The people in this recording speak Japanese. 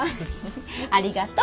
ありがとう。